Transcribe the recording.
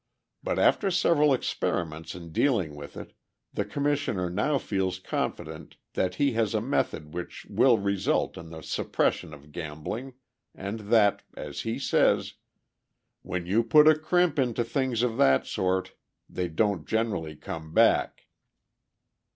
But after several experiments in dealing with it, the Commissioner now feels confident that he has a method which will result in the suppression of gambling, and that, as he says, "When you put a crimp into things of that sort they don't generally come back."